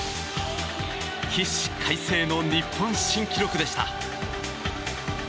起死回生の日本新記録でした。